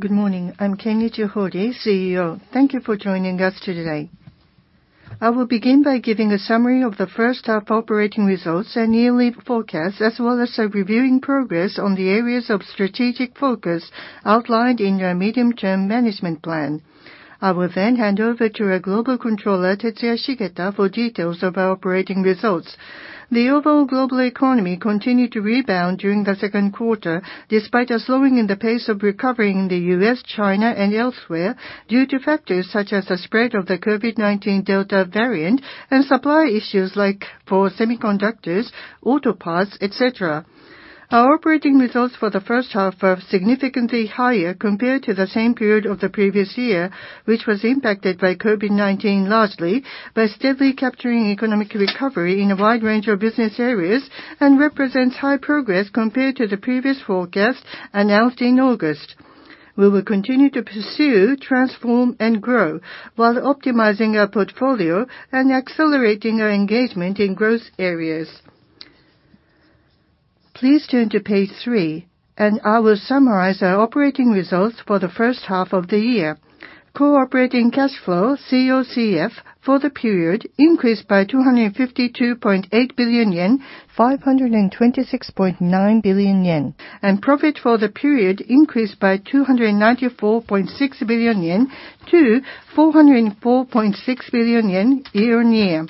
Good morning. I'm Kenichi Hori, CEO. Thank you for joining us today. I will begin by giving a summary of the first half operating results and yearly forecasts, as well as reviewing progress on the areas of strategic focus outlined in our medium-term management plan. I will then hand over to our global controller, Tetsuya Shigeta, for details of our operating results. The overall global economy continued to rebound during the second quarter, despite a slowing in the pace of recovering the U.S., China, and elsewhere due to factors such as the spread of the COVID-19 Delta variant and supply issues like for semiconductors, auto parts, et cetera. Our operating results for the first half are significantly higher compared to the same period of the previous year, which was impacted by COVID-19 largely, by steadily capturing economic recovery in a wide range of business areas and represents high progress compared to the previous forecast announced in August. We will continue to pursue, transform, and grow while optimizing our portfolio and accelerating our engagement in growth areas. Please turn to page three, and I will summarize our operating results for the first half of the year. Core operating cash flow, COCF, for the period increased by 252.8 billion yen, 526.9 billion yen, and profit for the period increased by 294.6 billion yen to 404.6 billion yen year-on-year.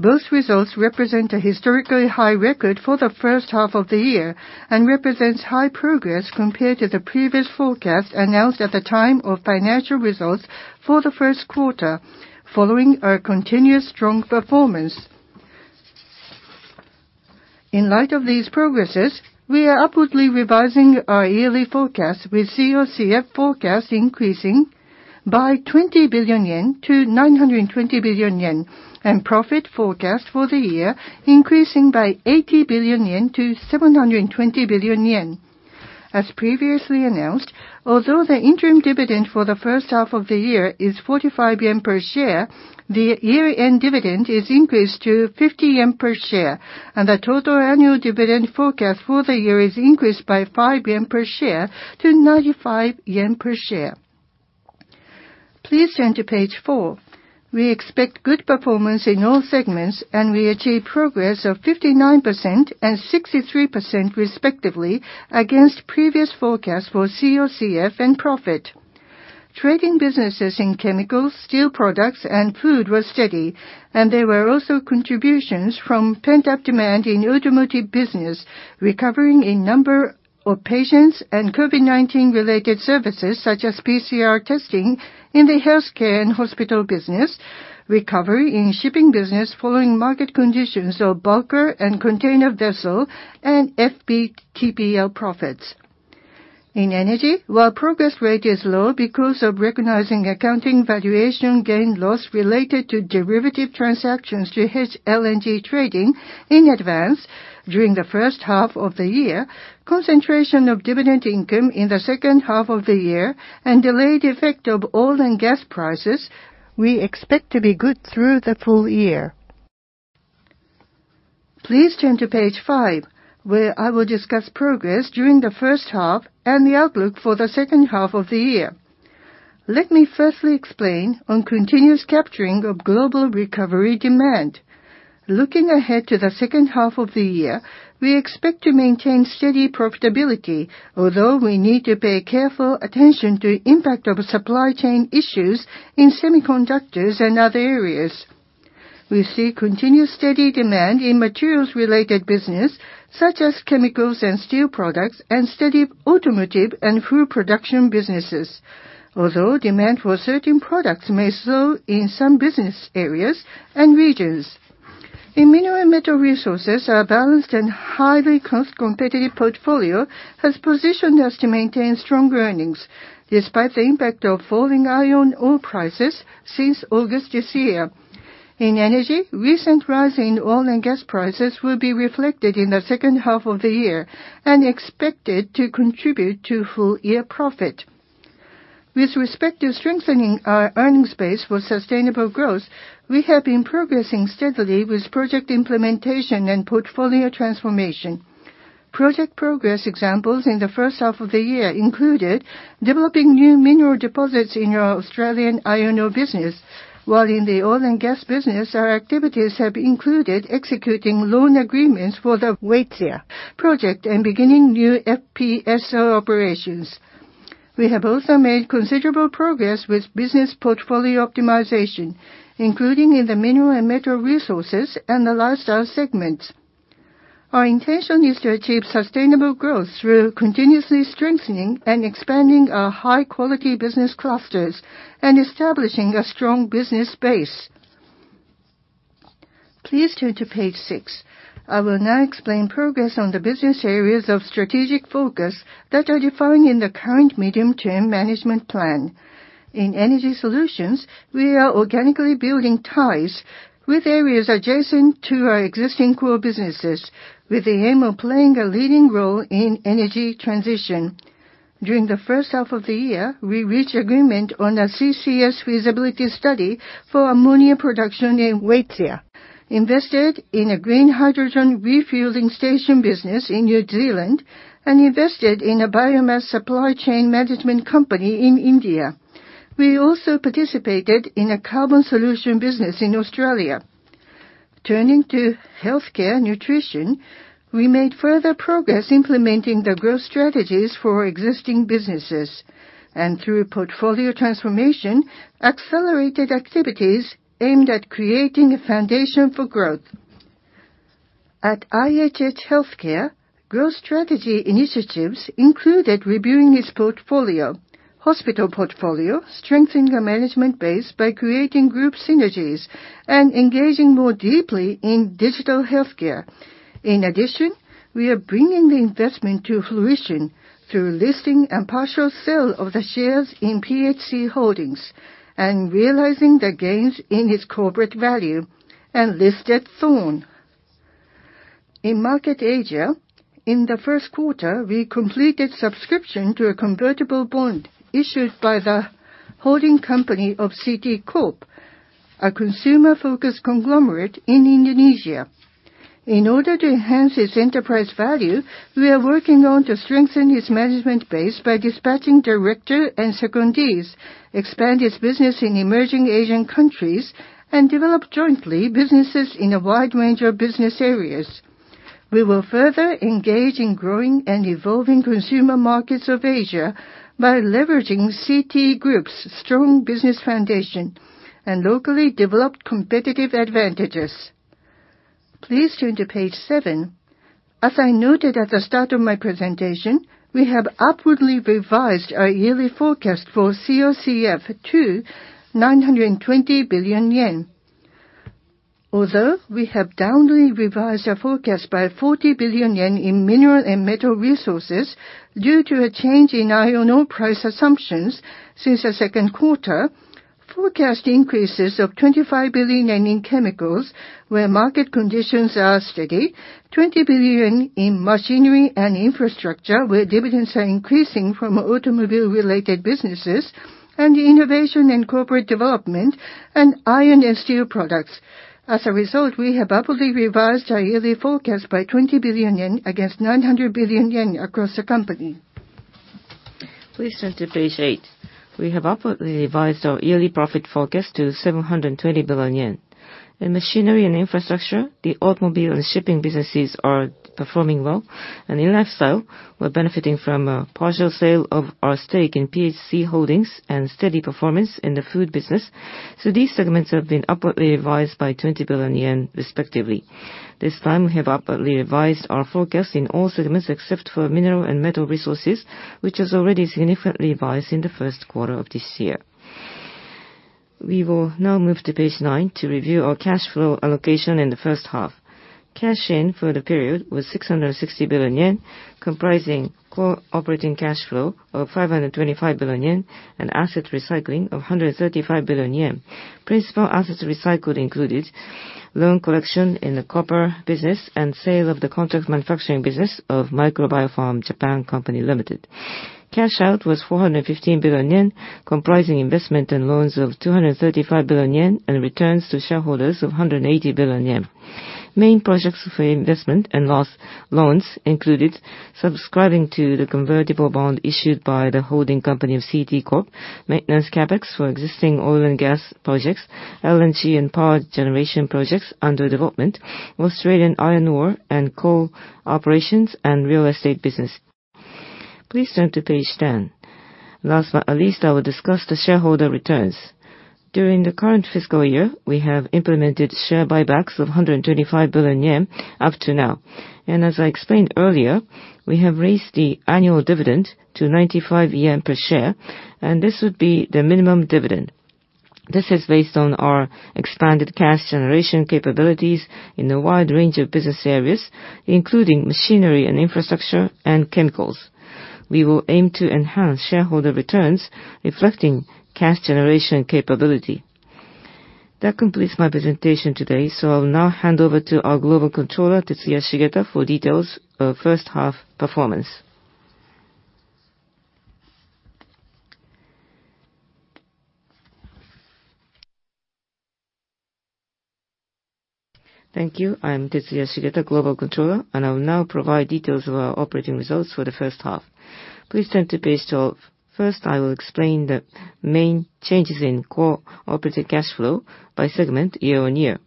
Both results represent a historically high record for the first half of the year and represents high progress compared to the previous forecast announced at the time of financial results for the first quarter, following our continuous strong performance. In light of these progresses, we are upwardly revising our yearly forecast with COCF forecast increasing by 20 billion yen to 920 billion yen, and profit forecast for the year increasing by 80 billion yen to 720 billion yen. As previously announced, although the interim dividend for the first half of the year is 45 yen per share, the year-end dividend is increased to 50 yen per share, and the total annual dividend forecast for the year is increased by 5 yen per share to 95 yen per share. Please turn to page 4. We expect good performance in all segments, and we achieve progress of 59% and 63% respectively against previous forecast for COCF and profit. Trading businesses in chemicals, steel products, and food were steady, and there were also contributions from pent-up demand in automotive business, recovering in number of patients and COVID-19-related services such as PCR testing in the healthcare and hospital business, recovery in shipping business following market conditions of bulker and container vessel and FVTPL profits. In energy, while progress rate is low because of recognizing accounting valuation gain loss related to derivative transactions to hedge LNG trading in advance during the first half of the year, concentration of dividend income in the second half of the year and delayed effect of oil and gas prices, we expect to be good through the full year. Please turn to page 5, where I will discuss progress during the first half and the outlook for the second half of the year. Let me first explain on continuous capturing of global recovery demand. Looking ahead to the second half of the year, we expect to maintain steady profitability, although we need to pay careful attention to impact of supply chain issues in semiconductors and other areas. We see continued steady demand in materials-related business, such as chemicals and steel products, and steady automotive and food production businesses, although demand for certain products may slow in some business areas and regions. In mineral and metal resources, our balanced and highly cost-competitive portfolio has positioned us to maintain strong earnings despite the impact of falling iron ore prices since August this year. In energy, recent rise in oil and gas prices will be reflected in the second half of the year and expected to contribute to full-year profit. With respect to strengthening our earnings base for sustainable growth, we have been progressing steadily with project implementation and portfolio transformation. Project progress examples in the first half of the year included developing new mineral deposits in our Australian iron ore business, while in the oil and gas business, our activities have included executing loan agreements for the Waitsia project and beginning new FPSO operations. We have also made considerable progress with business portfolio optimization, including in the mineral and metal resources and the lifestyle segments. Our intention is to achieve sustainable growth through continuously strengthening and expanding our high-quality business clusters and establishing a strong business base. Please turn to page 6. I will now explain progress on the business areas of strategic focus that are defined in the current Medium-term Management Plan. In Energy Solutions, we are organically building ties with areas adjacent to our existing core businesses with the aim of playing a leading role in energy transition. During the first half of the year, we reached agreement on a CCS feasibility study for ammonia production in Waitsia, invested in a green hydrogen refueling station business in New Zealand, and invested in a biomass supply chain management company in India. We also participated in a carbon solution business in Australia. Turning to healthcare nutrition, we made further progress implementing the growth strategies for existing businesses, and through portfolio transformation, accelerated activities aimed at creating a foundation for growth. At IHH Healthcare, growth strategy initiatives included reviewing its portfolio, hospital portfolio, strengthening the management base by creating group synergies, and engaging more deeply in digital healthcare. In addition, we are bringing the investment to fruition through listing and partial sale of the shares in PHC Holdings, and realizing the gains in its corporate value, and listed Thorne. In Market Asia, in the first quarter, we completed subscription to a convertible bond issued by the holding company of CT Corp, a consumer-focused conglomerate in Indonesia. In order to enhance its enterprise value, we are working on to strengthen its management base by dispatching director and secondees, expand its business in emerging Asian countries, and develop jointly businesses in a wide range of business areas. We will further engage in growing and evolving consumer markets of Asia by leveraging CT Group's strong business foundation and locally developed competitive advantages. Please turn to page 7. As I noted at the start of my presentation, we have upwardly revised our yearly forecast for COCF to 920 billion yen. Although we have downwardly revised our forecast by 40 billion yen in mineral and metal resources due to a change in iron ore price assumptions since the second quarter, forecast increases of 25 billion yen in chemicals, where market conditions are steady, 20 billion in machinery and infrastructure, where dividends are increasing from automobile-related businesses, and Innovation & Corporate Development, and iron and steel products. As a result, we have upwardly revised our yearly forecast by 20 billion yen against 900 billion yen across the company. Please turn to page 8. We have upwardly revised our yearly profit forecast to 720 billion yen. In machinery and infrastructure, the automobile and shipping businesses are performing well. In lifestyle, we're benefiting from a partial sale of our stake in PHC Holdings and steady performance in the food business. These segments have been upwardly revised by 20 billion yen respectively. This time, we have upwardly revised our forecast in all segments except for mineral and metal resources, which was already significantly revised in the first quarter of this year. We will now move to page nine to review our cash flow allocation in the first half. Cash in for the period was 660 billion yen, comprising core operating cash flow of 525 billion yen and asset recycling of 135 billion yen. Principal assets recycled included loan collection in the copper business and sale of the contract manufacturing business of MicroBioPharm Japan Co., Ltd. Cash out was 415 billion yen, comprising investment in loans of 235 billion yen and returns to shareholders of 180 billion yen. Main projects for investment and loans included subscribing to the convertible bond issued by the holding company of CT Corp, maintenance CapEx for existing oil and gas projects, LNG and power generation projects under development, Australian iron ore and coal operations, and real estate business. Please turn to page 10. Last but not least, I will discuss the shareholder returns. During the current fiscal year, we have implemented share buybacks of 125 billion yen up to now. As I explained earlier, we have raised the annual dividend to 95 yen per share, and this would be the minimum dividend. This is based on our expanded cash generation capabilities in a wide range of business areas, including machinery and infrastructure and chemicals. We will aim to enhance shareholder returns reflecting cash generation capability. That completes my presentation today, so I'll now hand over to our global controller, Tetsuya Shigeta, for details of first half performance. Thank you. I'm Tetsuya Shigeta, Global Controller, and I will now provide details of our operating results for the first half. Please turn to page 12. First, I will explain the main changes in core operating cash flow by segment year-over-year.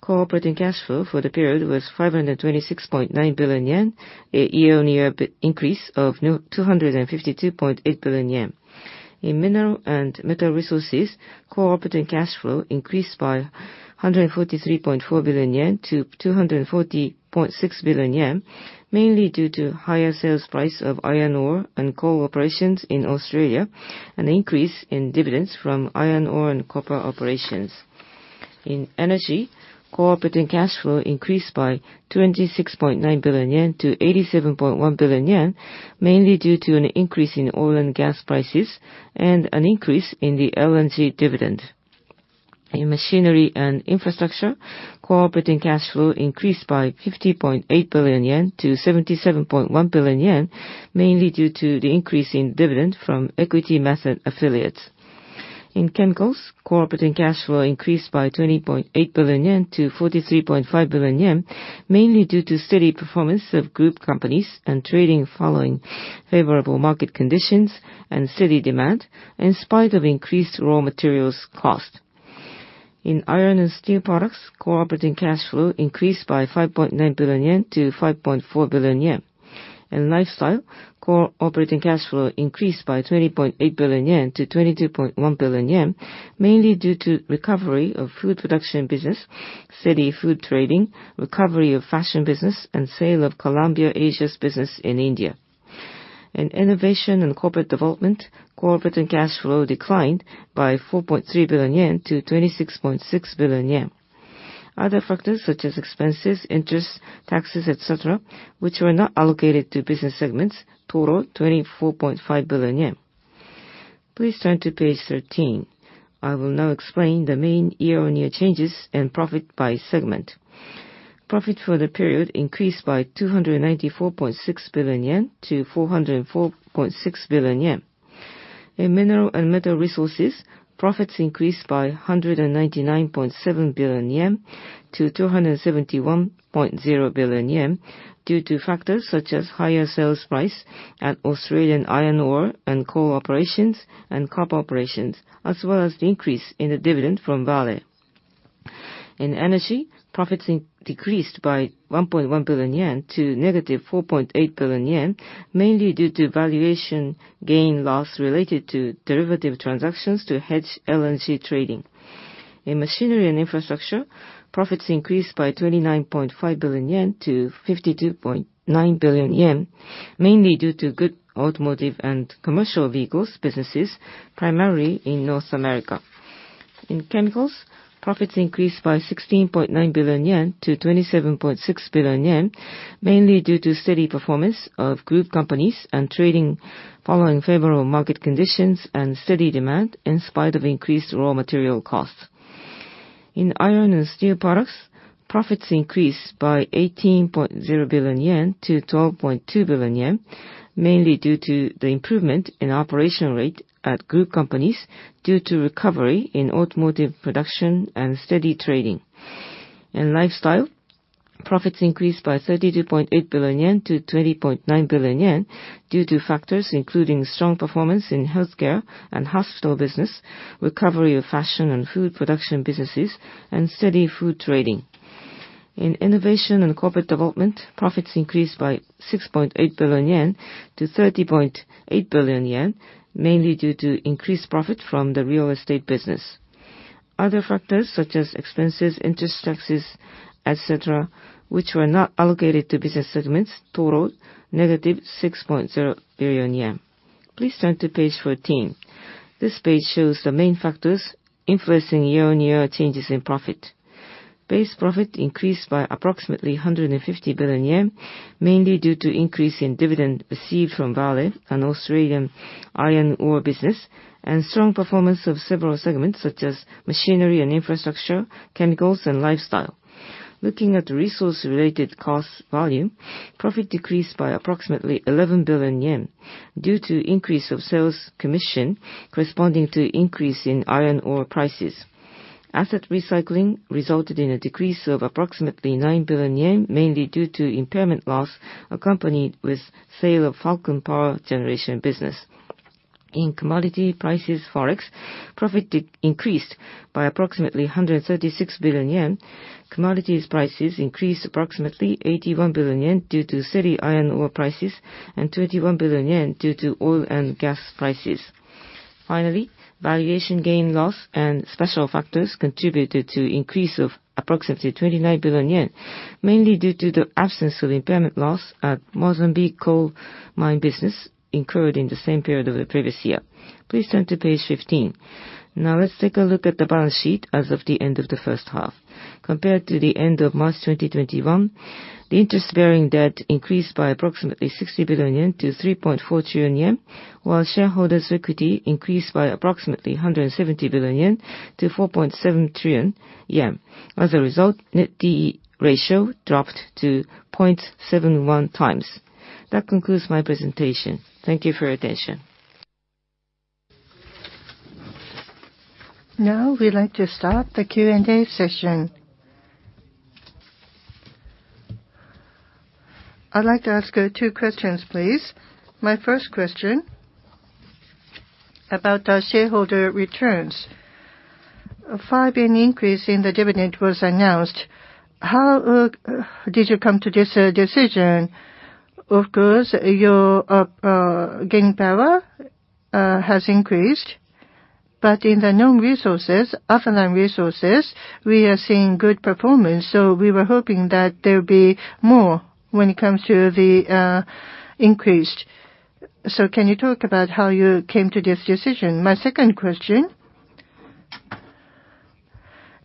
Core operating cash flow for the period was 526.9 billion yen, a year-over-year increase of 252.8 billion yen. In Mineral and Metal Resources, core operating cash flow increased by 143.4 billion yen to 240.6 billion yen, mainly due to higher sales price of iron ore and coal operations in Australia, an increase in dividends from iron ore and copper operations. In energy, core operating cash flow increased by 26.9 billion yen to 87.1 billion yen, mainly due to an increase in oil and gas prices and an increase in the LNG dividend. In machinery and infrastructure, core operating cash flow increased by 50.8 billion yen to 77.1 billion yen, mainly due to the increase in dividend from equity method affiliates. In chemicals, core operating cash flow increased by 20.8 billion yen to 43.5 billion yen, mainly due to steady performance of group companies and trading following favorable market conditions and steady demand, in spite of increased raw materials cost. In iron and steel products, core operating cash flow increased by 5.9 billion yen to 5.4 billion yen. In Lifestyle, core operating cash flow increased by 20.8 billion yen to 22.1 billion yen, mainly due to recovery of food production business, steady food trading, recovery of fashion business, and sale of Columbia Asia's business in India. In Innovation & Corporate Development, COCF declined by 4.3 billion yen to 26.6 billion yen. Other factors such as expenses, interest, taxes, et cetera, which were not allocated to business segments, total 24.5 billion yen. Please turn to page 13. I will now explain the main year-on-year changes and profit by segment. Profit for the period increased by 294.6 billion yen to 404.6 billion yen. In Mineral & Metal Resources, profits increased by 199.7 billion yen to 271.0 billion yen due to factors such as higher sales price in Australian iron ore and coal operations and copper operations, as well as the increase in the dividend from Vale. In Energy, profits decreased by 1.1 billion yen to negative 4.8 billion yen, mainly due to valuation gain loss related to derivative transactions to hedge LNG trading. In Machinery and Infrastructure, profits increased by 29.5 billion yen to 52.9 billion yen, mainly due to good automotive and commercial vehicles businesses, primarily in North America. In Chemicals, profits increased by 16.9 billion yen to 27.6 billion yen, mainly due to steady performance of group companies and trading following favorable market conditions and steady demand, in spite of increased raw material costs. In Iron and Steel Products, profits increased by 18.0 billion yen to 12.2 billion yen, mainly due to the improvement in operation rate at group companies due to recovery in automotive production and steady trading. In Lifestyle, profits increased by 32.8 billion yen to 20.9 billion yen due to factors including strong performance in healthcare and hospital business, recovery of fashion and food production businesses, and steady food trading. In innovation and corporate development, profits increased by 6.8 billion yen to 30.8 billion yen, mainly due to increased profit from the real estate business. Other factors such as expenses, interest, taxes, et cetera, which were not allocated to business segments, total negative 6.0 billion yen. Please turn to page fourteen. This page shows the main factors influencing year-on-year changes in profit. Base profit increased by approximately 150 billion yen, mainly due to increase in dividend received from Vale and Australian iron ore business and strong performance of several segments, such as machinery and infrastructure, chemicals and lifestyle. Looking at resource-related costs volume, profit decreased by approximately 11 billion yen due to increase of sales commission corresponding to increase in iron ore prices. Asset recycling resulted in a decrease of approximately 9 billion yen, mainly due to impairment loss accompanied with sale of Paiton power generation business. In commodity prices, forex, profit decreased by approximately 136 billion yen. Commodity prices increased approximately 81 billion yen due to steady iron ore prices and 21 billion yen due to oil and gas prices. Finally, valuation gains/losses and special factors contributed to increase of approximately 29 billion yen, mainly due to the absence of impairment loss at Mozambique coal mine business incurred in the same period of the previous year. Please turn to page 15. Now let's take a look at the balance sheet as of the end of the first half. Compared to the end of March 2021, the interest-bearing debt increased by approximately 60 billion yen to 3.4 trillion yen, while shareholders' equity increased by approximately 170 billion yen to 4.7 trillion yen. As a result, net debt ratio dropped to 0.71 times. That concludes my presentation. Thank you for your attention. Now we'd like to start the Q&A session. I'd like to ask two questions, please. My first question is about shareholder returns. A JPY 5 billion increase in the dividend was announced. How did you come to this decision? Of course, your earning power has increased, but in the non-resources, lifestyle, we are seeing good performance, so we were hoping that there'd be more when it comes to the increase. Can you talk about how you came to this decision? My second question,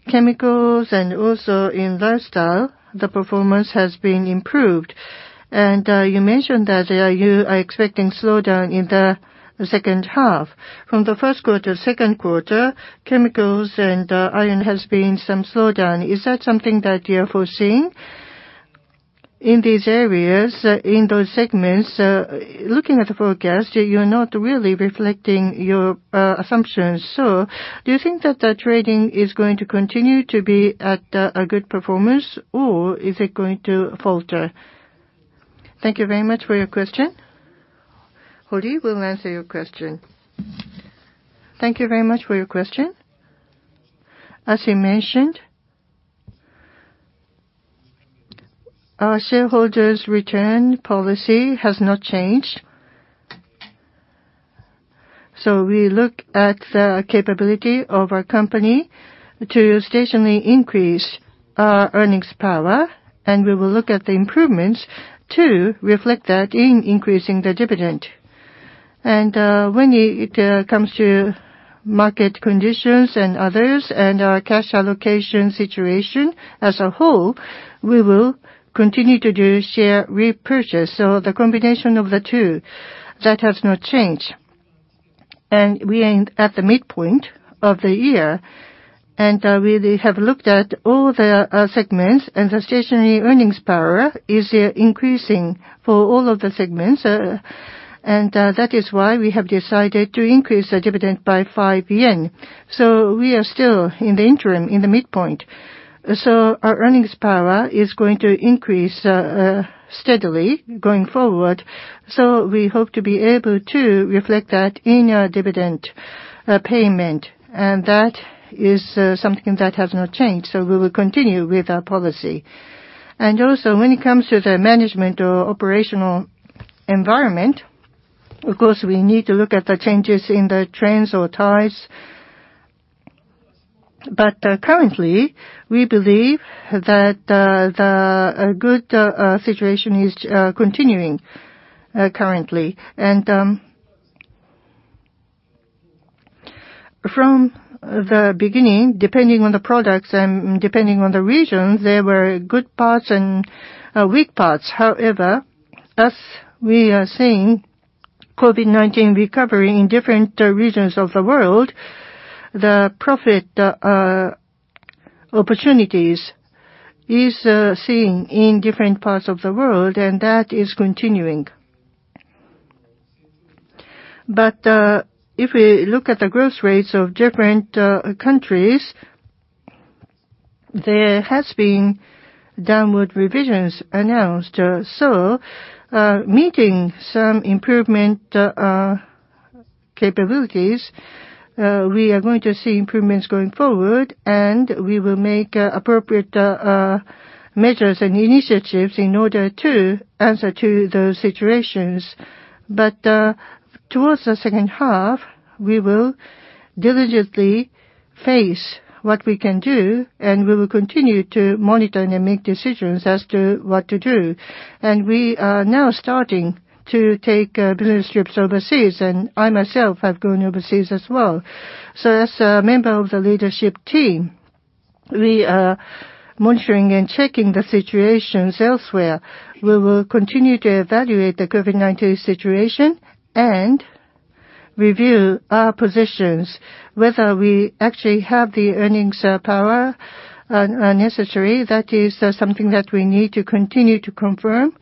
in chemicals and also in lifestyle, the performance has been improved. You mentioned that you are expecting slowdown in the second half. From the first quarter to second quarter, in chemicals and iron, there has been some slowdown. Is that something that you are foreseeing? In these areas, in those segments, looking at the forecast, you're not really reflecting your assumptions. Do you think that the trading is going to continue to be at a good performance, or is it going to falter? Thank you very much for your question. Hori will answer your question. Thank you very much for your question. As you mentioned, our shareholders' return policy has not changed. We look at the capability of our company to sustainably increase our earnings power, and we will look at the improvements to reflect that in increasing the dividend. When it comes to market conditions and others and our cash allocation situation as a whole, we will continue to do share repurchase. The combination of the two, that has not changed. We aimed at the midpoint of the year, and we have looked at all the segments, and the sustainable earnings power is increasing for all of the segments. That is why we have decided to increase the dividend by 5 yen. We are still in the interim, in the midpoint. Our earnings power is going to increase steadily going forward. We hope to be able to reflect that in our dividend payment. That is something that has not changed, so we will continue with our policy. Also, when it comes to the management or operational environment, of course, we need to look at the changes in the trends or tides. Currently, we believe that a good situation is continuing currently. From the beginning, depending on the products and depending on the regions, there were good parts and weak parts. However, as we are seeing COVID-19 recovery in different regions of the world, the profit opportunities is seen in different parts of the world, and that is continuing. If we look at the growth rates of different countries, there has been downward revisions announced. We are going to see improvements going forward, and we will make appropriate measures and initiatives in order to answer to those situations. Toward the second half, we will diligently face what we can do, and we will continue to monitor and then make decisions as to what to do. We are now starting to take business trips overseas, and I myself have gone overseas as well. As a member of the leadership team, we are monitoring and checking the situations elsewhere. We will continue to evaluate the COVID-19 situation and review our positions, whether we actually have the earnings power necessary. That is, something that we need to continue to confirm.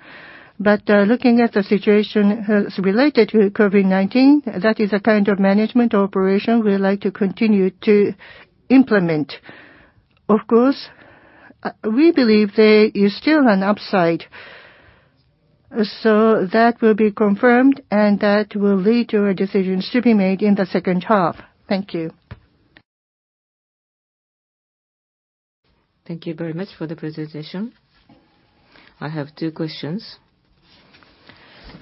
Looking at the situation, related to COVID-19, that is a kind of management operation we would like to continue to implement. Of course, we believe there is still an upside. That will be confirmed, and that will lead to our decisions to be made in the second half. Thank you. Thank you very much for the presentation. I have two questions.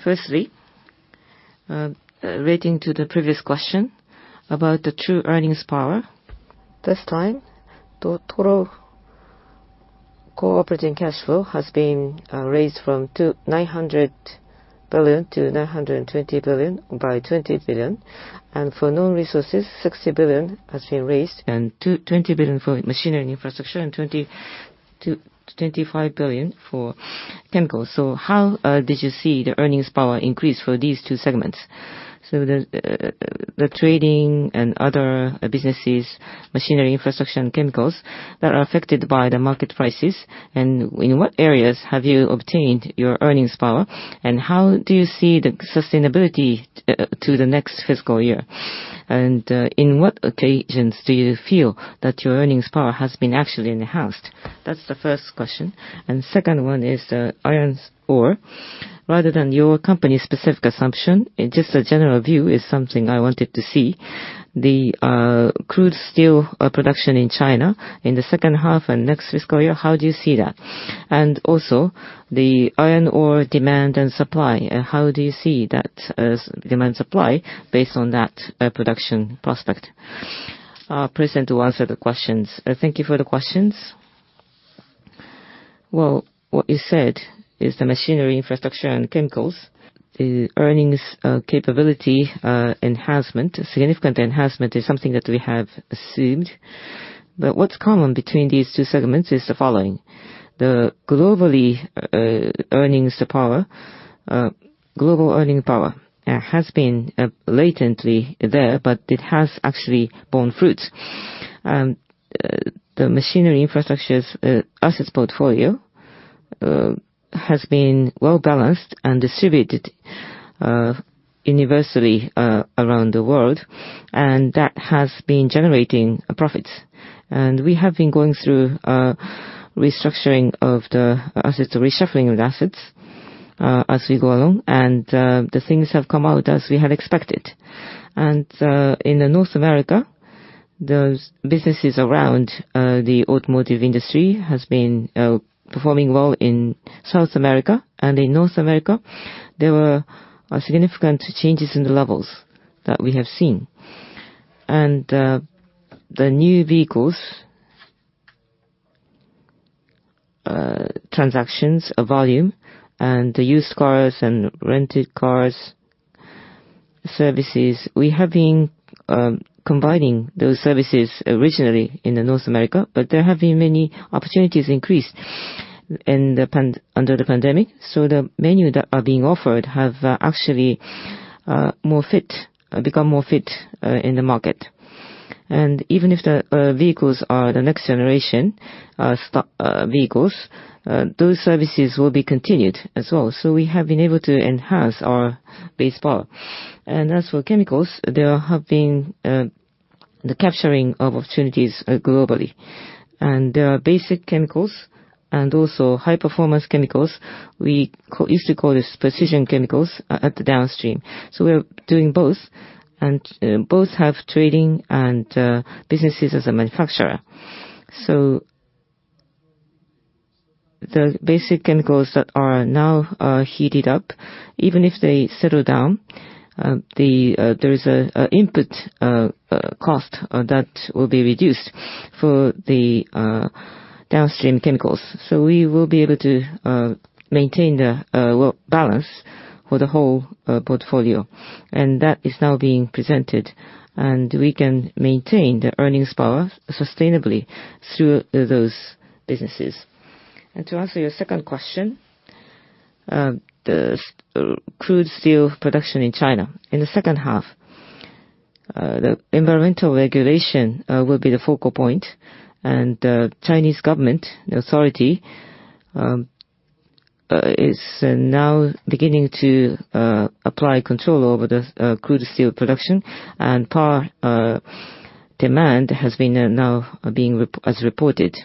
Firstly, relating to the previous question about the true earnings power. This time, the total operating cash flow has been raised from 900 billion to 920 billion, by 20 billion. For non-resources, 60 billion has been raised, and 20 billion for machinery infrastructure and 20 billion-25 billion for chemicals. How did you see the earnings power increase for these two segments? The trading and other businesses, machinery, infrastructure, and chemicals that are affected by the market prices, and in what areas have you obtained your earnings power? How do you see the sustainability to the next fiscal year? In what occasions do you feel that your earnings power has been actually enhanced? That's the first question. Second one is the iron ore. Rather than your company's specific assumption, just a general view is something I wanted to see. The crude steel production in China in the second half and next fiscal year, how do you see that? Also the iron ore demand and supply, how do you see that, demand supply based on that production prospect? I'll proceed to answer the questions. Thank you for the questions. Well, what you said is the Machinery, Infrastructure, and Chemicals. The earnings capability enhancement, significant enhancement, is something that we have assumed. What's common between these two segments is the following. The global earning power has been latent there, but it has actually borne fruit. The machinery & infrastructure assets portfolio has been well-balanced and distributed universally around the world, and that has been generating profits. We have been going through restructuring of the assets, or reshuffling of the assets, as we go along. The things have come out as we had expected. In North America, those businesses around the automotive industry has been performing well in South America. In North America, there were significant changes in the levels that we have seen. The new vehicles transactions of volume and the used cars and rented cars services, we have been combining those services originally in North America, but there have been many opportunities increased under the pandemic. The menu that are being offered have actually become more fit in the market. Even if the vehicles are the next generation vehicles, those services will be continued as well. We have been able to enhance our base power. As for chemicals, there have been the capturing of opportunities globally. There are basic chemicals and also high-performance chemicals. We used to call this precision chemicals at the downstream. We're doing both, and both have trading and businesses as a manufacturer. The basic chemicals that are now heated up, even if they settle down, there's an input cost that will be reduced for the downstream chemicals. We will be able to maintain the well balance for the whole portfolio. That is now being presented, and we can maintain the earnings power sustainably through those businesses. To answer your second question, the crude steel production in China. In the second half, the environmental regulation will be the focal point. Chinese government, the authority, is now beginning to apply control over the crude steel production, and power demand has now been reported.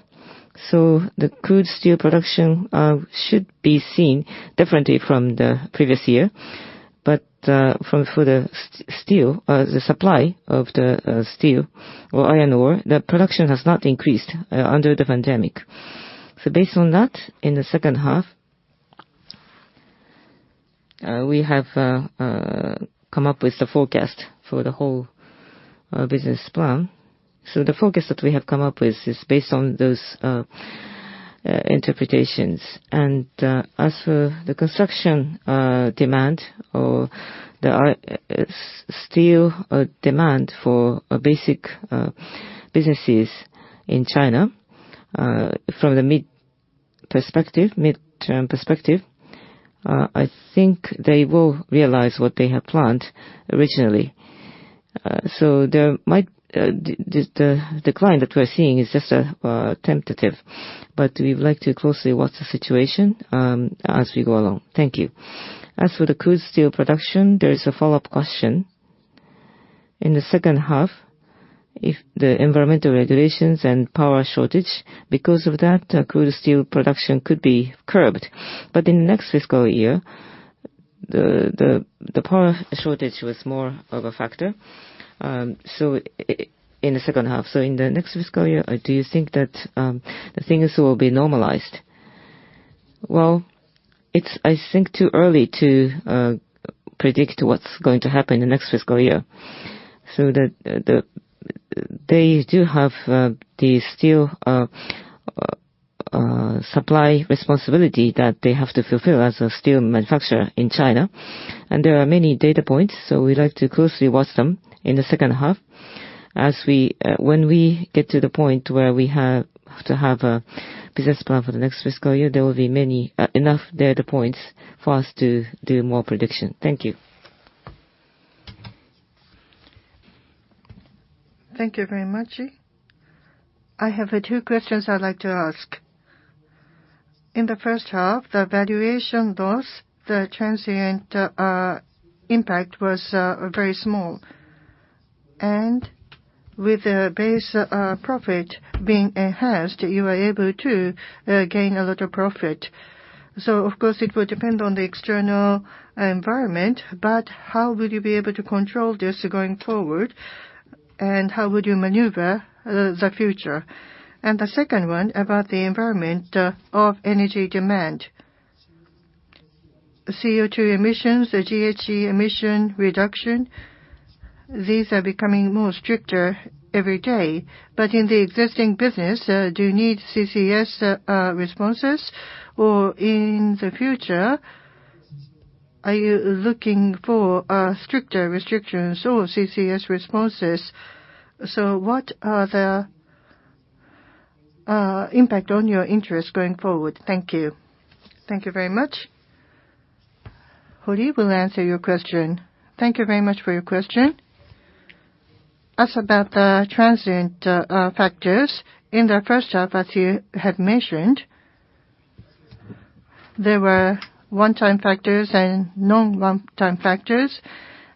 The crude steel production should be seen differently from the previous year. From the steel, the supply of the steel or iron ore, the production has not increased under the pandemic. Based on that, in the second half, we have come up with the forecast for the whole business plan. The forecast that we have come up with is based on those interpretations. As for the construction demand or the steel demand for basic businesses in China, from the mid-term perspective, I think they will realize what they have planned originally. There might be the decline that we're seeing is just a temporary, but we would like to closely watch the situation as we go along. Thank you. As for the crude steel production, there is a follow-up question. In the second half, if the environmental regulations and power shortage, because of that, crude steel production could be curbed. In the next fiscal year, the power shortage was more of a factor in the second half. In the next fiscal year, do you think that the things will be normalized? Well, it's, I think, too early to predict what's going to happen in the next fiscal year. They do have the steel supply responsibility that they have to fulfill as a steel manufacturer in China. There are many data points, so we'd like to closely watch them in the second half. When we get to the point where we have to have a business plan for the next fiscal year, there will be many enough data points for us to do more prediction. Thank you. Thank you very much. I have two questions I'd like to ask. In the first half, the valuation loss, the transient impact was very small. With the base profit being enhanced, you are able to gain a lot of profit. Of course it will depend on the external environment, but how will you be able to control this going forward, and how would you maneuver the future? The second one, about the environment of energy demand. CO2 emissions, the GHG emission reduction, these are becoming more stricter every day. In the existing business, do you need CCS responses? Or in the future, are you looking for stricter restrictions or CCS responses? What are the impact on your interest going forward? Thank you. Thank you very much. Hori will answer your question. Thank you very much for your question. As for the transitory factors in the first half, as you had mentioned, there were one-time factors and non-one-time factors.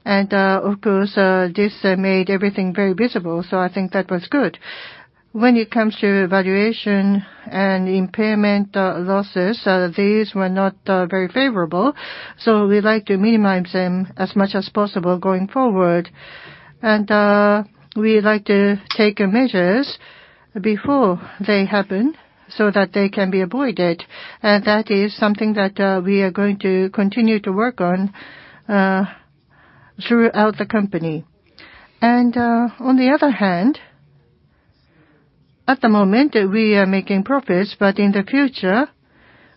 Of course, this made everything very visible, so I think that was good. When it comes to valuation and impairment losses, these were not very favorable, so we'd like to minimize them as much as possible going forward. We like to take measures before they happen so that they can be avoided. That is something that we are going to continue to work on throughout the company. On the other hand, at the moment we are making profits, but in the future,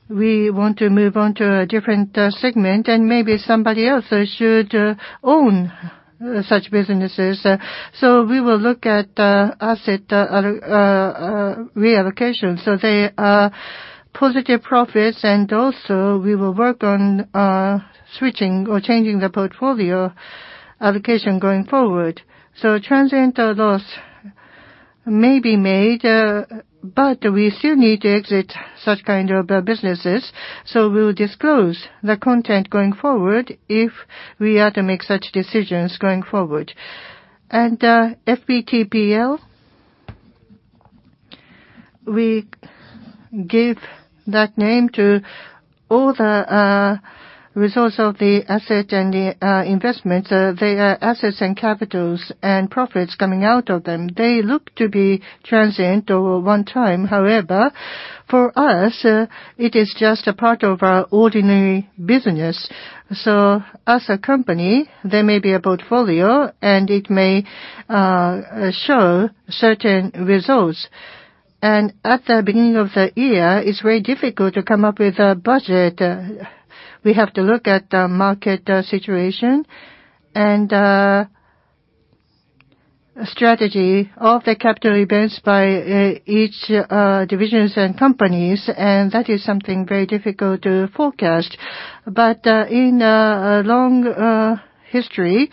we want to move on to a different segment, and maybe somebody else should own such businesses. We will look at asset reallocation. There are positive profits, and also we will work on switching or changing the portfolio allocation going forward. A transient loss may be made, but we still need to exit such kind of businesses. We'll disclose the content going forward if we are to make such decisions going forward. FVTPL, we give that name to all the results of the asset and the investments. They are assets and capitals and profits coming out of them. They look to be transient or one time. However, for us, it is just a part of our ordinary business. As a company, there may be a portfolio, and it may show certain results. At the beginning of the year, it's very difficult to come up with a budget. We have to look at the market situation and strategy of the capital investments by each divisions and companies, and that is something very difficult to forecast. In a long history,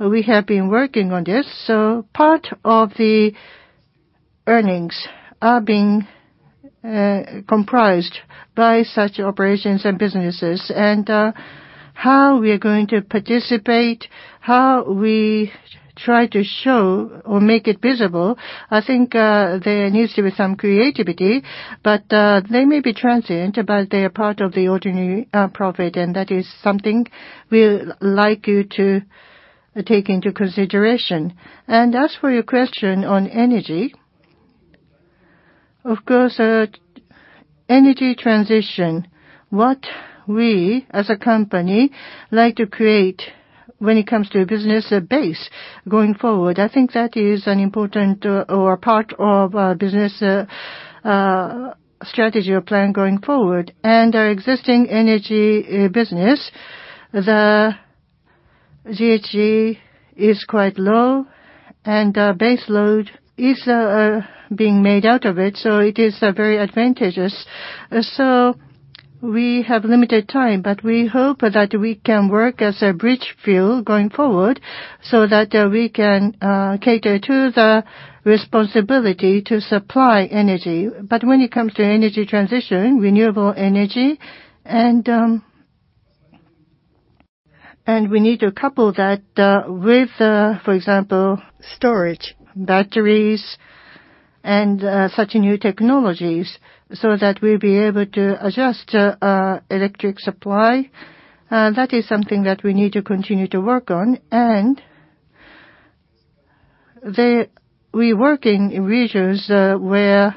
we have been working on this. Part of the earnings are being comprised by such operations and businesses. How we are going to participate, how we try to show or make it visible, I think there needs to be some creativity, but they may be transient, but they are part of the ordinary profit, and that is something we'd like you to take into consideration. As for your question on energy, of course, energy transition, what we as a company like to create when it comes to business base going forward, I think that is an important or part of our business, strategy or plan going forward. Our existing energy business, the GHG is quite low, and our base load is being made out of it, so it is very advantageous. We have limited time, but we hope that we can work as a bridge fuel going forward so that we can cater to the responsibility to supply energy. When it comes to energy transition, renewable energy, we need to couple that with, for example, storage, batteries and such new technologies, so that we'll be able to adjust electric supply. That is something that we need to continue to work on. We work in regions where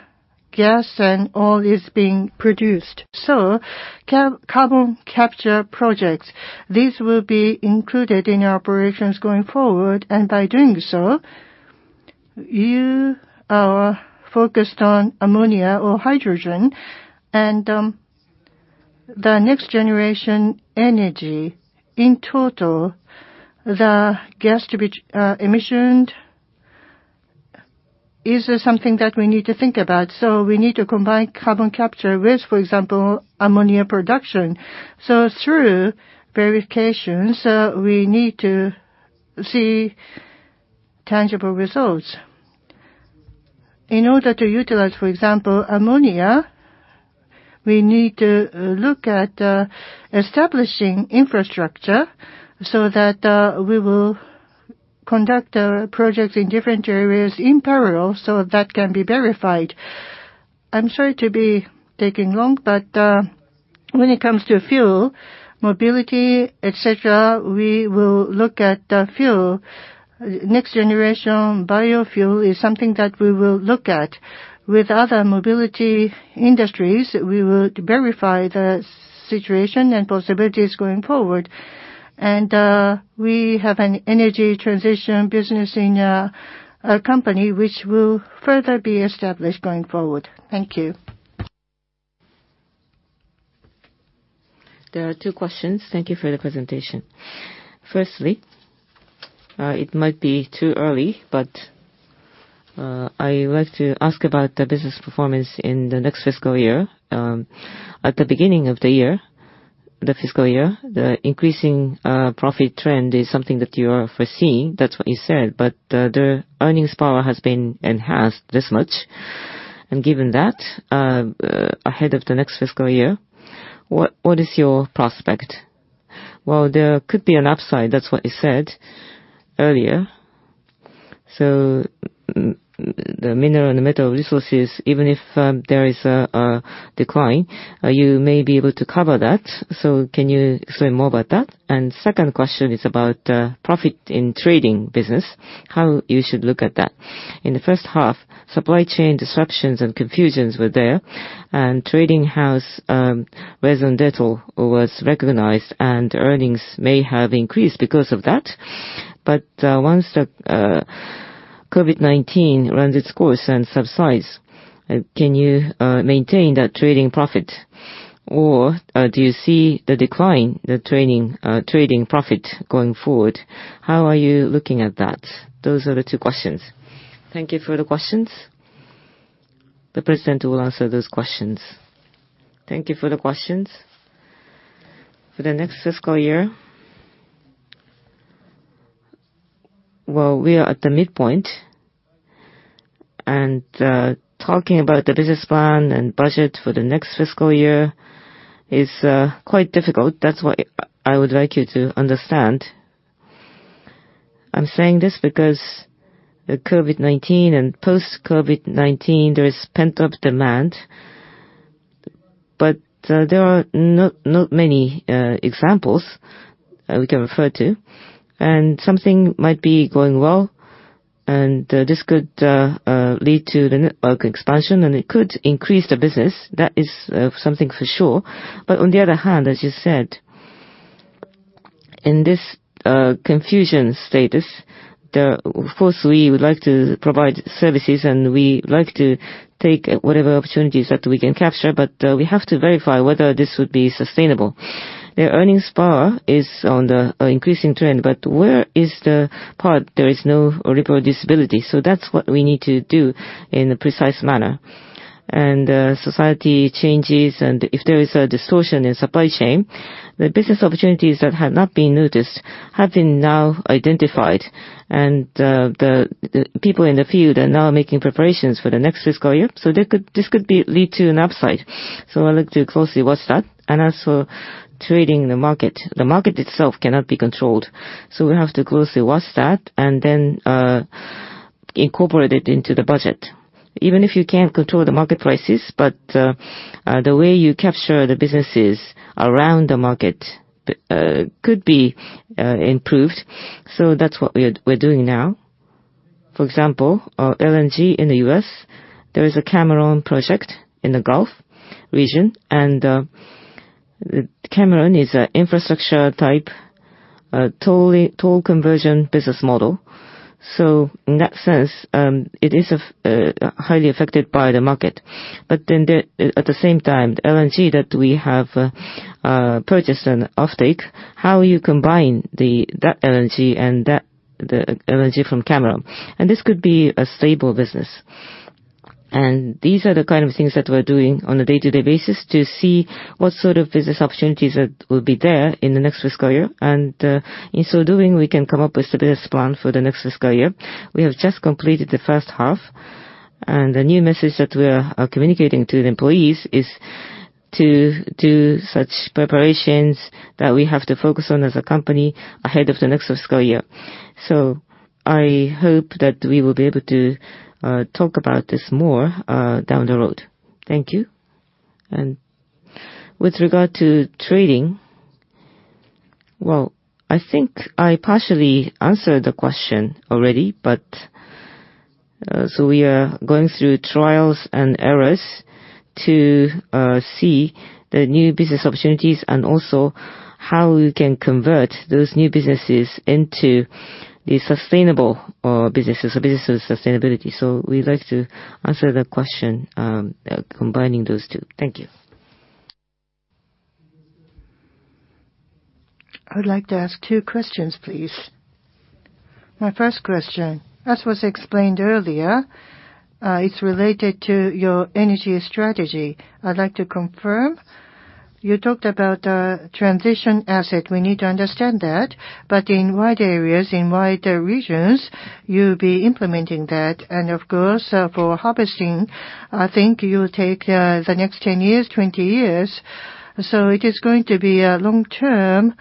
gas and oil is being produced. Carbon capture projects, these will be included in our operations going forward. By doing so, you are focused on ammonia or hydrogen. The next generation energy, in total, the gas emissions is something that we need to think about. We need to combine carbon capture with, for example, ammonia production. Through verifications, we need to see tangible results. In order to utilize, for example, ammonia, we need to look at establishing infrastructure so that we will conduct our projects in different areas in parallel, so that can be verified. I'm sorry to be taking long, but when it comes to fuel, mobility, et cetera, we will look at the fuel. Next generation biofuel is something that we will look at. With other mobility industries, we will verify the situation and possibilities going forward. We have an energy transition business in our company, which will further be established going forward. Thank you. There are two questions. Thank you for the presentation. Firstly, it might be too early, but. I would like to ask about the business performance in the next fiscal year. At the beginning of the year, the fiscal year, the increasing profit trend is something that you are foreseeing. That's what you said. The earnings power has been enhanced this much, and given that, ahead of the next fiscal year, what is your prospect? Well, there could be an upside, that's what you said earlier. The mineral and metal resources, even if there is a decline, you may be able to cover that. Can you say more about that? Second question is about profit in trading business, how you should look at that. In the first half, supply chain disruptions and confusions were there, and trading house resident rental was recognized, and earnings may have increased because of that. Once the COVID-19 runs its course and subsides, can you maintain that trading profit, or do you see the decline, the trading profit going forward? How are you looking at that? Those are the two questions. Thank you for the questions. The President will answer those questions. Thank you for the questions. For the next fiscal year, well, we are at the midpoint, and talking about the business plan and budget for the next fiscal year is quite difficult. That's what I would like you to understand. I'm saying this because the COVID-19 and post-COVID-19, there is pent-up demand, but there are not many examples we can refer to. Something might be going well, and this could lead to the network expansion, and it could increase the business. That is something for sure. But on the other hand, as you said, in this confusion status, the Of course, we would like to provide services, and we like to take whatever opportunities that we can capture, but we have to verify whether this would be sustainable. The earnings bar is on the increasing trend, but where is the part there is no repeatability? That's what we need to do in a precise manner. Society changes, and if there is a distortion in supply chain, the business opportunities that had not been noticed have now been identified. The people in the field are now making preparations for the next fiscal year, so this could lead to an upside. I'd like to closely watch that. Also trading the market. The market itself cannot be controlled, so we have to closely watch that and then incorporate it into the budget. Even if you can't control the market prices, the way you capture the businesses around the market could be improved. That's what we're doing now. For example, LNG in the U.S., there is a Cameron LNG project in the Gulf region, and Cameron LNG is an infrastructure type, totally toll conversion business model. In that sense, it is highly affected by the market. At the same time, the LNG that we have purchase and offtake, how you combine that LNG and the LNG from Cameron. This could be a stable business. These are the kind of things that we're doing on a day-to-day basis to see what sort of business opportunities that will be there in the next fiscal year. In so doing, we can come up with the business plan for the next fiscal year. We have just completed the first half, and the new message that we are communicating to the employees is to do such preparations that we have to focus on as a company ahead of the next fiscal year. I hope that we will be able to talk about this more down the road. Thank you. With regard to trading, I think I partially answered the question already, but we are going through trials and errors to see the new business opportunities and also how we can convert those new businesses into the sustainable businesses or business sustainability. We'd like to answer the question combining those two. Thank you. I would like to ask two questions, please. My first question, as was explained earlier, it's related to your energy strategy. I'd like to confirm. You talked about transition asset. We need to understand that. In wide areas, in wider regions, you'll be implementing that. Of course, for harvesting, I think you'll take the next 10 years, 20 years. It is going to be a long-term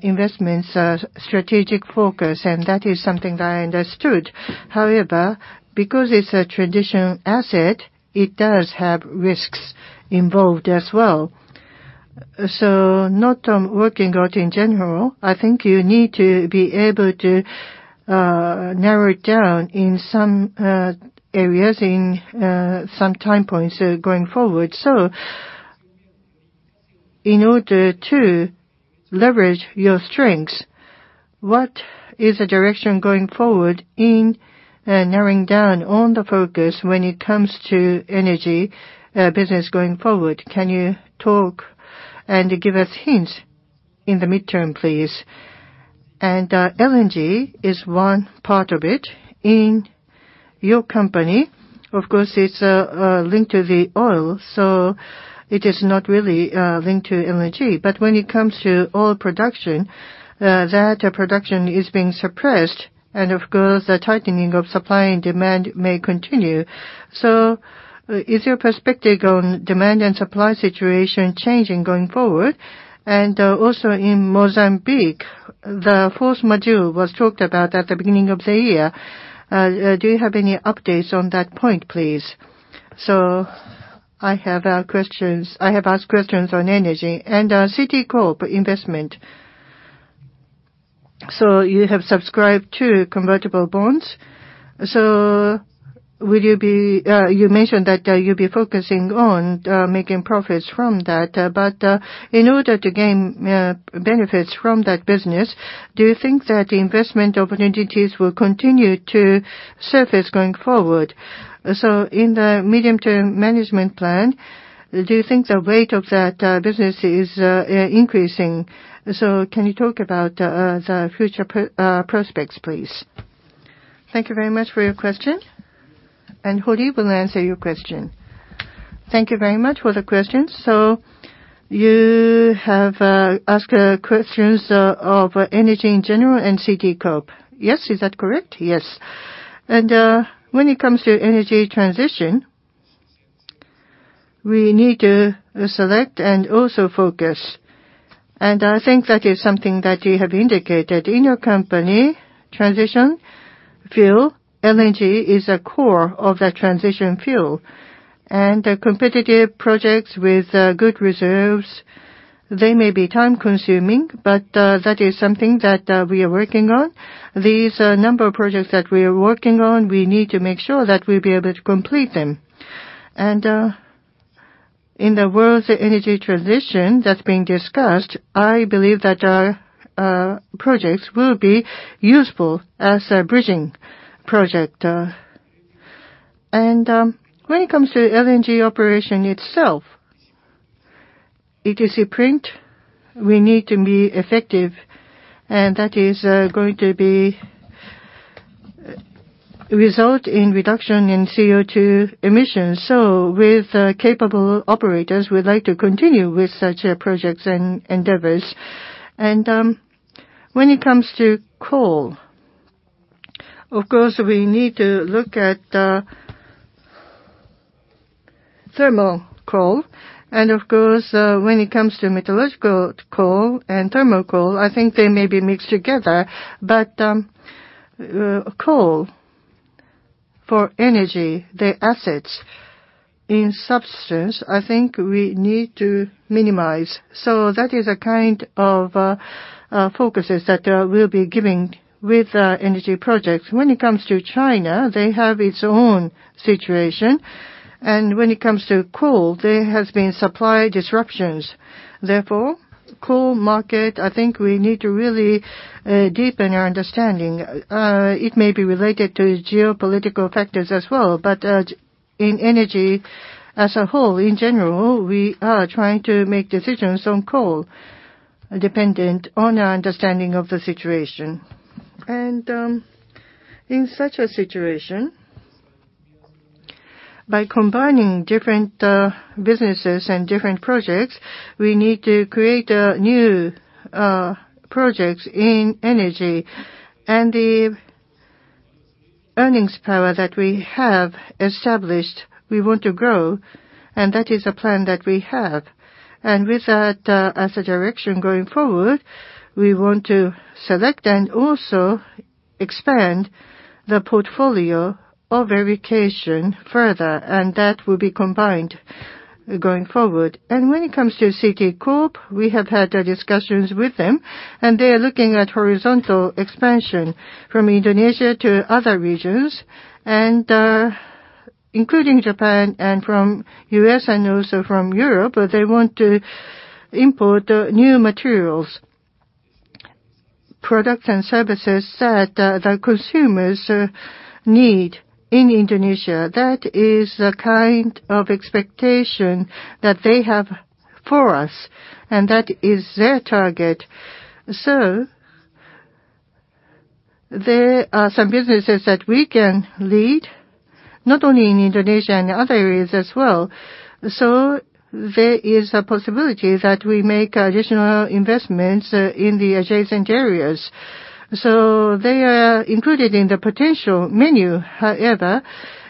investments strategic focus, and that is something I understood. However, because it's a transition asset, it does have risks involved as well. Not working out in general, I think you need to be able to narrow it down in some areas in some time points going forward. In order to leverage your strengths, what is the direction going forward in narrowing down on the focus when it comes to energy business going forward? Can you talk and give us hints? In the midterm, please. LNG is one part of it. In your company, of course, it's linked to the oil, so it is not really linked to LNG. When it comes to oil production, that production is being suppressed, and of course, the tightening of supply and demand may continue. Is your perspective on demand and supply situation changing going forward? Also in Mozambique, the fourth module was talked about at the beginning of the year. Do you have any updates on that point, please? I have asked questions on energy. CT Corp investment, so you have subscribed to convertible bonds. Will you be. You mentioned that you'd be focusing on making profits from that. In order to gain benefits from that business, do you think that the investment opportunities will continue to surface going forward? In the Medium-term Management Plan, do you think the weight of that business is increasing? Can you talk about the future prospects, please? Thank you very much for your question. Hori will answer your question. Thank you very much for the questions. You have asked questions of energy in general and CT Corp. Yes. Is that correct? Yes. When it comes to energy transition, we need to select and also focus. I think that is something that you have indicated. In your company, transition fuel, LNG is a core of that transition fuel. Competitive projects with good reserves, they may be time-consuming, but that is something that we are working on. This number of projects that we are working on, we need to make sure that we'll be able to complete them. In the world's energy transition that's being discussed, I believe that our projects will be useful as a bridging project. When it comes to LNG operation itself, it is a plus. We need to be effective, and that is going to result in reduction in CO2 emissions. With capable operators, we'd like to continue with such projects and endeavors. When it comes to coal, of course, we need to look at thermal coal. Of course, when it comes to metallurgical coal and thermal coal, I think they may be mixed together. Coal for energy, the assets in substance, I think we need to minimize. That is a kind of focuses that we'll be giving with energy projects. When it comes to China, they have its own situation. When it comes to coal, there has been supply disruptions. Therefore, coal market, I think we need to really deepen our understanding. It may be related to geopolitical factors as well. In energy as a whole, in general, we are trying to make decisions on coal dependent on our understanding of the situation. In such a situation, by combining different businesses and different projects, we need to create new projects in energy. The earnings power that we have established, we want to grow, and that is a plan that we have. With that, as a direction going forward, we want to select and also expand the portfolio of allocation further, and that will be combined going forward. When it comes to CT Corp, we have had discussions with them, and they are looking at horizontal expansion from Indonesia to other regions, and including Japan and from U.S. and also from Europe, they want to import new materials, products and services that the consumers need in Indonesia. That is the kind of expectation that they have for us, and that is their target. There are some businesses that we can lead, not only in Indonesia, in other areas as well. There is a possibility that we make additional investments in the adjacent areas. They are included in the potential menu. However,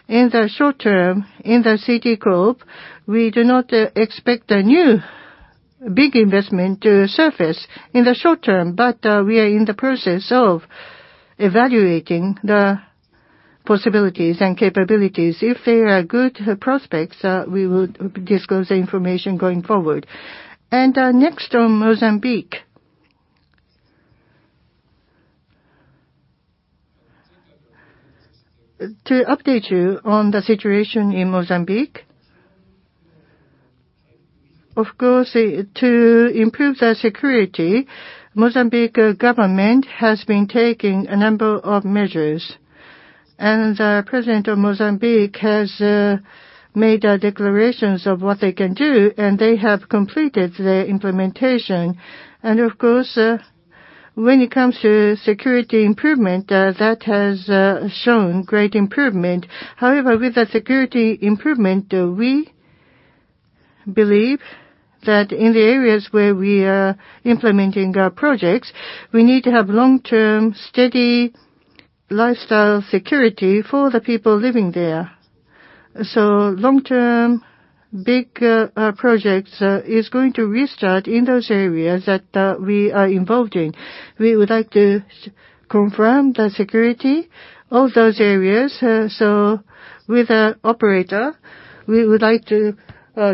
in the short term, in the CT Corp, we do not expect a new big investment to surface in the short term. We are in the process of evaluating the possibilities and capabilities. If there are good prospects, we will disclose the information going forward. Next on Mozambique. To update you on the situation in Mozambique, of course, to improve the security, Mozambique government has been taking a number of measures. The President of Mozambique has made declarations of what they can do, and they have completed the implementation. Of course, when it comes to security improvement, that has shown great improvement. However, with the security improvement, we believe that in the areas where we are implementing our projects, we need to have long-term, steady lifestyle security for the people living there. Long-term, big, projects is going to restart in those areas that we are involved in. We would like to confirm the security of those areas. With the operator, we would like to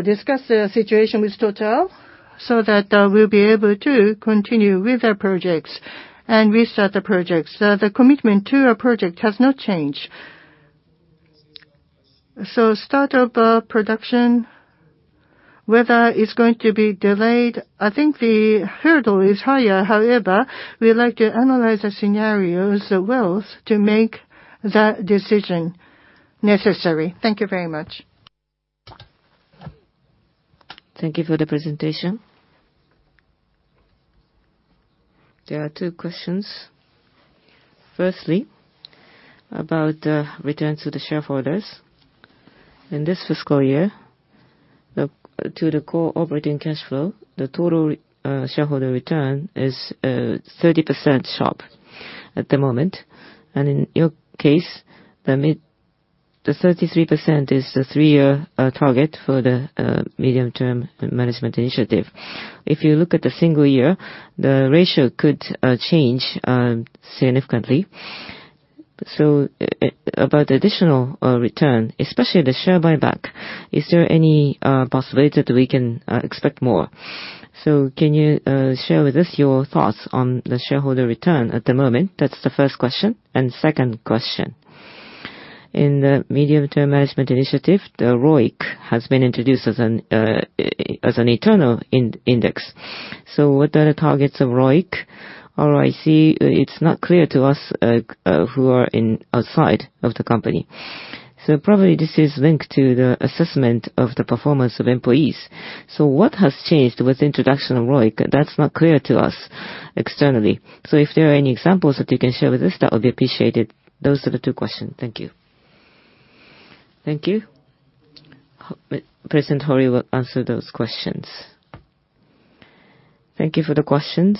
discuss the situation with TotalEnergies so that we'll be able to continue with their projects and restart the projects. The commitment to our project has not changed. Start of production, whether it's going to be delayed, I think the hurdle is higher. However, we would like to analyze the scenarios as well to make that decision necessary. Thank you very much. Thank you for the presentation. There are two questions. Firstly, about returns to the shareholders. In this fiscal year, to the core operating cash flow, the total shareholder return is 30% sharp at the moment. In your case, the 33% is the three-year target for the medium-term management initiative. If you look at the single year, the ratio could change significantly. About additional return, especially the share buyback, is there any possibility that we can expect more? Can you share with us your thoughts on the shareholder return at the moment? That's the first question. Second question, in the medium-term management initiative, the ROIC has been introduced as an internal index. What are the targets of ROIC? ROIC, it's not clear to us who are outside of the company. Probably this is linked to the assessment of the performance of employees. What has changed with introduction of ROIC? That's not clear to us externally. If there are any examples that you can share with us, that would be appreciated. Those are the two questions. Thank you. Thank you. President Hori will answer those questions. Thank you for the questions.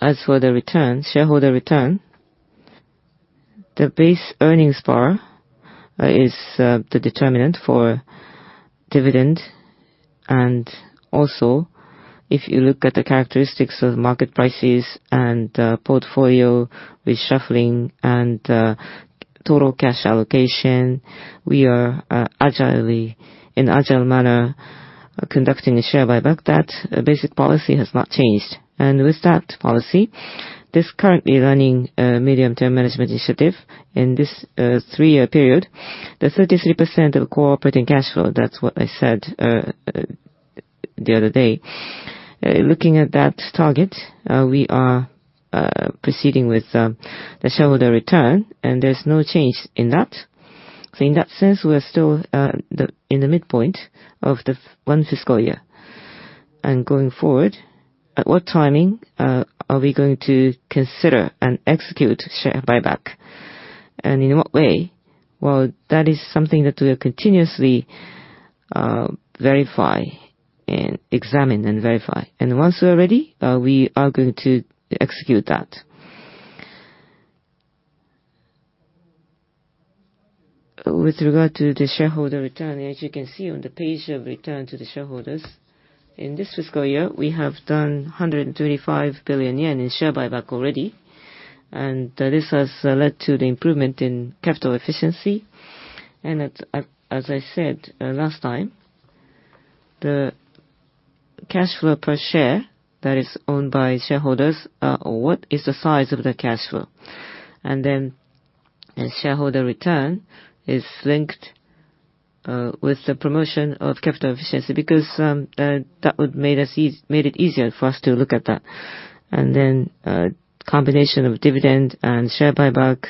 As for the return, shareholder return, the base earnings bar is the determinant for dividend. If you look at the characteristics of market prices and portfolio reshuffling and total cash allocation, we are agilely, in agile manner conducting the share buyback. That basic policy has not changed. With that policy, this currently running medium-term management initiative in this three-year period, the 33% of operating cash flow, that's what I said the other day. Looking at that target, we are proceeding with the shareholder return, and there's no change in that. In that sense, we are still in the midpoint of the one fiscal year. Going forward, at what timing are we going to consider and execute share buyback, and in what way? Well, that is something that we'll continuously verify and examine and verify. Once we are ready, we are going to execute that. With regard to the shareholder return, as you can see on the page of return to the shareholders, in this fiscal year, we have done 135 billion yen in share buyback already. This has led to the improvement in capital efficiency. As I said last time, the cash flow per share that is owned by shareholders or what is the size of the cash flow, and shareholder return is linked with the promotion of capital efficiency because that made it easier for us to look at that. Combination of dividend and share buyback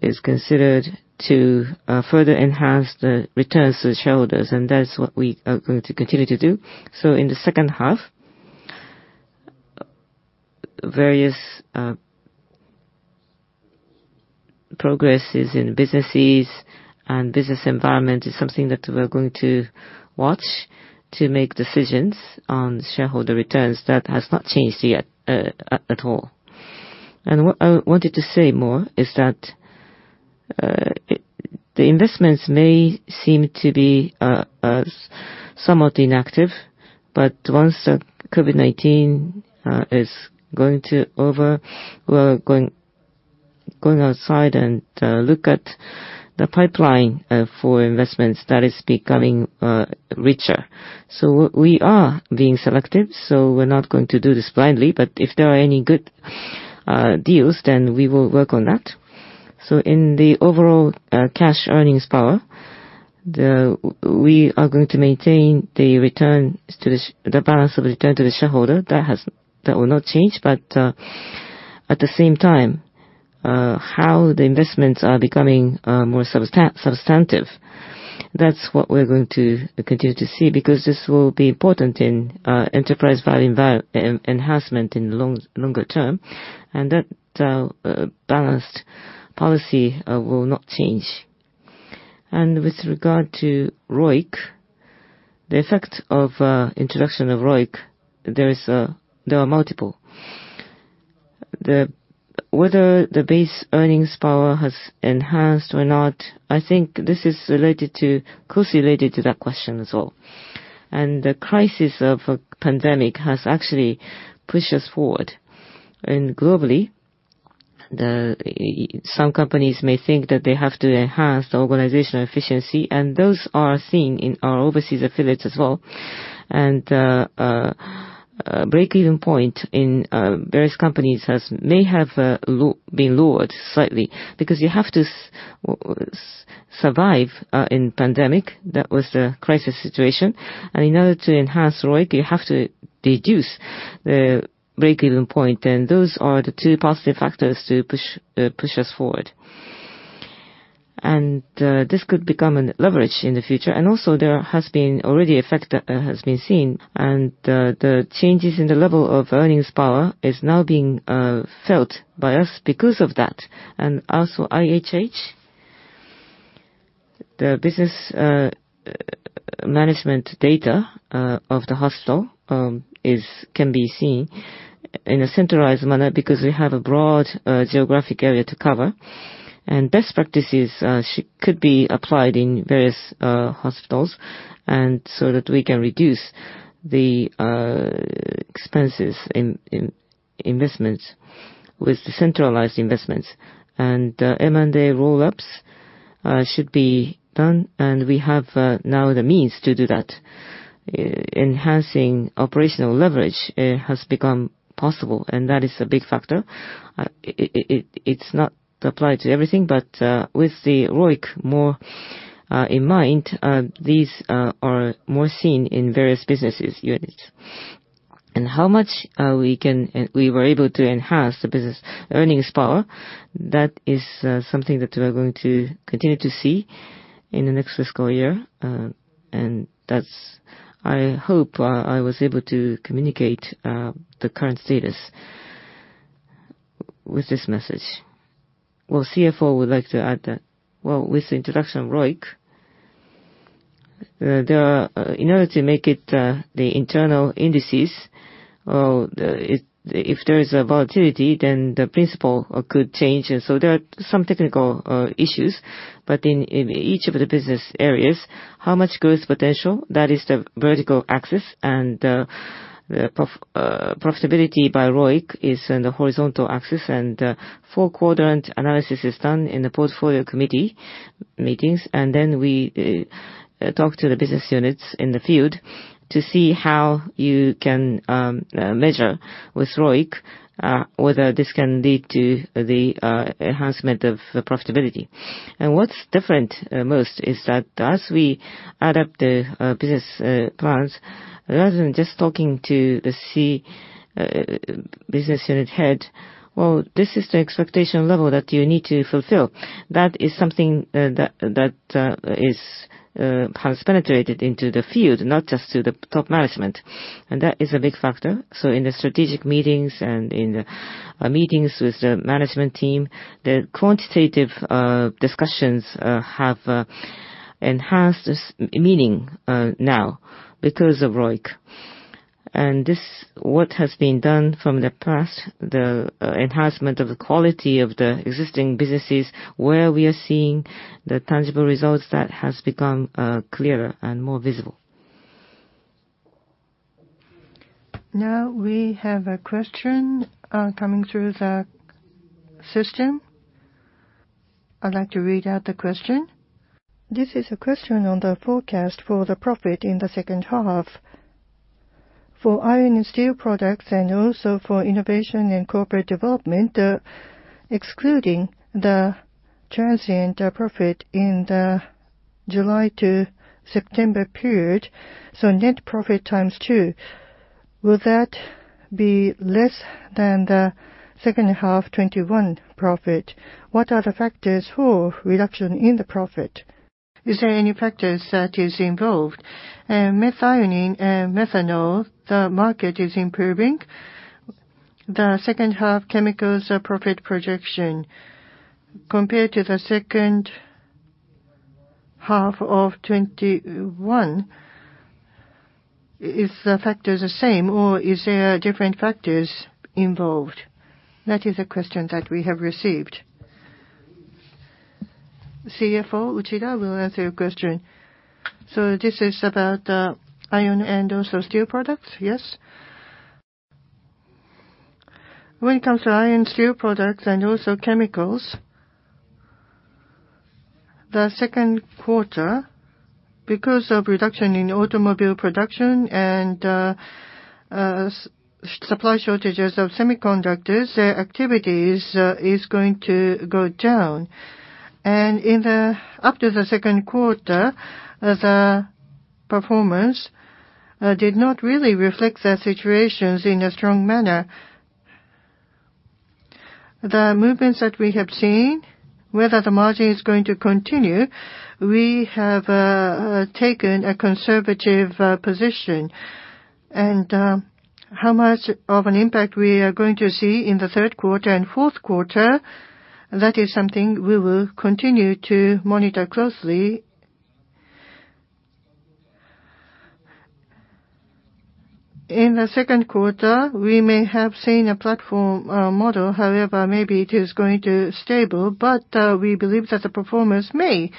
is considered to further enhance the returns to the shareholders, and that's what we are going to continue to do. In the second half, various progresses in businesses and business environment is something that we're going to watch to make decisions on shareholder returns. That has not changed yet at all. What I wanted to say more is that the investments may seem to be somewhat inactive, but once the COVID-19 is going to over, we're going outside and look at the pipeline for investments that is becoming richer. We are being selective, so we're not going to do this blindly. If there are any good deals, then we will work on that. In the overall cash earnings power, we are going to maintain the return to the balance of return to the shareholder. That will not change. At the same time, how the investments are becoming more substantive, that's what we're going to continue to see because this will be important in enterprise value enhancement in the longer term. That balanced policy will not change. With regard to ROIC, the effect of introduction of ROIC, there are multiple. Whether the base earnings power has enhanced or not, I think this is related to, closely related to that question as well. The crisis of a pandemic has actually pushed us forward. Globally, some companies may think that they have to enhance the organizational efficiency, and those are seen in our overseas affiliates as well. Break-even point in various companies may have been lowered slightly because you have to survive in pandemic. That was the crisis situation. In order to enhance ROIC, you have to reduce the break-even point. Those are the two positive factors to push us forward. This could become a leverage in the future. Also, the effect has already been seen. The changes in the level of earnings power is now being felt by us because of that. IHH, the business management data of the hospital, can be seen in a centralized manner because we have a broad geographic area to cover. Best practices could be applied in various hospitals and so that we can reduce the expenses in investments with the centralized investments. M&A roll-ups should be done, and we have now the means to do that. Enhancing operational leverage has become possible, and that is a big factor. It's not applied to everything, but with the ROIC more in mind, these are more seen in various business units. How much we were able to enhance the business earnings power, that is something that we are going to continue to see in the next fiscal year. That's, I hope, I was able to communicate the current status with this message. Well, CFO would like to add that. Well, with the introduction of ROIC, the in order to make it the internal indices, if there is a volatility, then the principal could change. There are some technical issues. In each of the business areas, how much growth potential that is the vertical axis, and the profitability by ROIC is in the horizontal axis. Four-quadrant analysis is done in the portfolio committee meetings, and then we talk to the business units in the field to see how you can measure with ROIC whether this can lead to the enhancement of the profitability. What's different most is that as we add up the business plans, rather than just talking to the C business unit head, well, this is the expectation level that you need to fulfill. That is something that has penetrated into the field, not just to the top management. That is a big factor. In the strategic meetings and in the meetings with the management team, the quantitative discussions have enhanced this meaning now because of ROIC. This, what has been done from the past, the enhancement of the quality of the existing businesses, where we are seeing the tangible results, that has become clearer and more visible. Now we have a question coming through the system. I'd like to read out the question. This is a question on the forecast for the profit in the second half. For Iron and Steel Products, and also for Innovation and Corporate Development, excluding the transient profit in the July to September period, so net profit times two, will that be less than the second half 2021 profit? What are the factors for reduction in the profit? Is there any factors that is involved? Methionine and methanol, the market is improving. The second half Chemicals profit projection compared to the second half of 2021, is the factors the same, or is there different factors involved? That is the question that we have received. CFO Shigeta will answer your question. This is about iron and also steel products, yes? When it comes to iron and steel products and also chemicals, the second quarter Because of reduction in automobile production and supply shortages of semiconductors, their activities is going to go down. Up to the second quarter, the performance did not really reflect the situations in a strong manner. The movements that we have seen, whether the margin is going to continue, we have taken a conservative position. How much of an impact we are going to see in the third quarter and fourth quarter, that is something we will continue to monitor closely. In the second quarter, we may have seen a platform model, however, maybe it is going to stabilize, but we believe that the performance may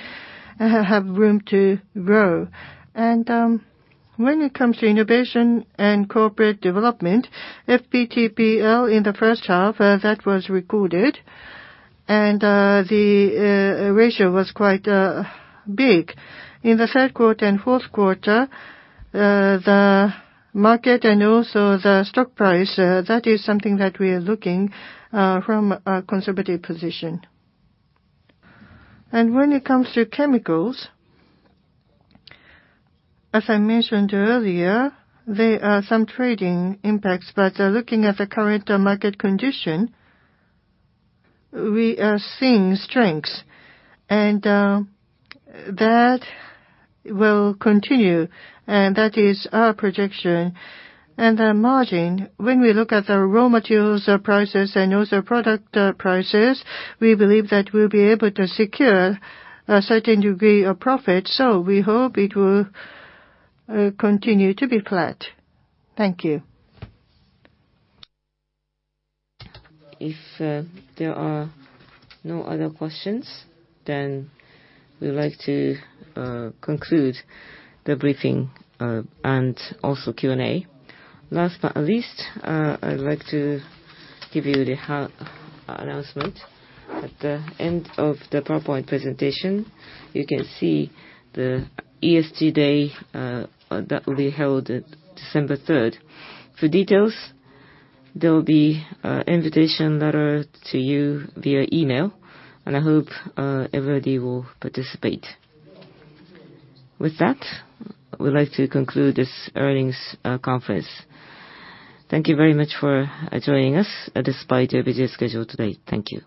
have room to grow. When it comes to innovation and corporate development, FVTPL in the first half that was recorded, and the ratio was quite big. In the third quarter and fourth quarter, the market and also the stock price, that is something that we are looking from a conservative position. When it comes to chemicals, as I mentioned earlier, there are some trading impacts, but looking at the current market condition, we are seeing strengths, and that will continue, and that is our projection. The margin, when we look at the raw materials, the prices, and also product prices, we believe that we'll be able to secure a certain degree of profit, so we hope it will continue to be flat. Thank you. If there are no other questions, then we'd like to conclude the briefing and also Q&A. Last but not least, I'd like to give you the announcement. At the end of the PowerPoint presentation, you can see the ESG day that will be held at December 3rd. For details, there will be an invitation letter to you via email, and I hope everybody will participate. With that, we'd like to conclude this earnings conference. Thank you very much for joining us despite your busy schedule today. Thank you.